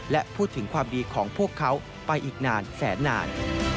และพูดถึงความดีของพวกเขาไปอีกนานแสนนาน